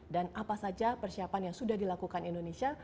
dan apa saja persiapan yang sudah dilakukan indonesia